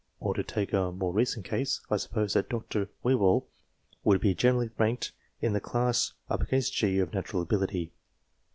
Or, to take a more recent case, I suppose that Dr. Whewell would be generally ranked in the class G of natural ability.